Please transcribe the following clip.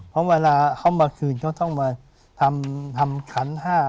เพราะเวลาเขามาคืนเขาต้องมาทำขันห้า